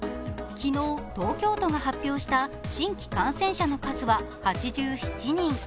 昨日、東京都が発表した新規感染者の数は８７人。